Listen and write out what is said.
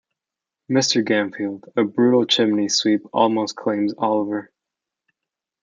Mr. Gamfield, a brutal chimney sweep, almost claims Oliver.